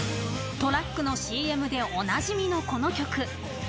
トラックのＣＭでおなじみのこの曲。